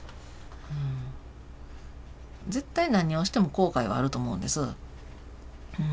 絶対何をしても後悔はあると思うんです。